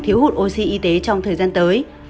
thiếu hụt oxy y tế trong thời gian tới